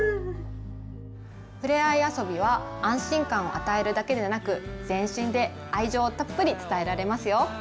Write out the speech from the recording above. ふれあい遊びは安心感を与えるだけでなく全身で愛情をたっぷり伝えられますよ。